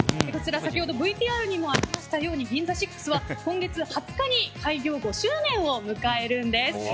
こちら、先ほどＶＴＲにもありましたようにＧＩＮＺＡＳＩＸは今月２０日に開業５周年を迎えるんです。